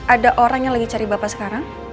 ada orang yang lagi cari bapak sekarang